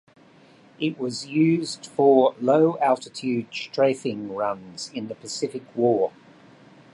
It was used for low-altitude strafing runs in the Pacific War.